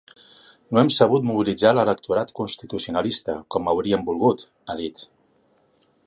“No hem sabut mobilitzar l’electorat constitucionalista com hauríem volgut”, ha dit.